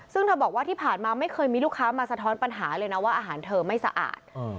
ซึ่งเธอบอกว่าที่ผ่านมาไม่เคยมีลูกค้ามาสะท้อนปัญหาเลยนะว่าอาหารเธอไม่สะอาด